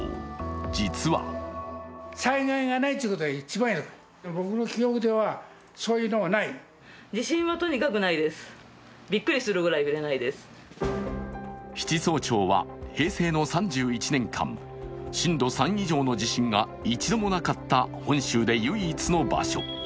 実は七宗町は平成の３１年間、震度３以上の地震が一度もなかった本州で唯一の場所。